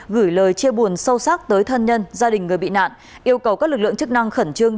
gửi lời chia buồn sâu sắc tới thân nhân gia đình người bị nạn yêu cầu các lực lượng chức năng khẩn trương